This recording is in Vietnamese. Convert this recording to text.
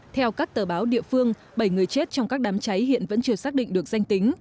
theo các tờ báo địa phương bảy người chết trong các đám cháy hiện vẫn chưa xác định được danh tính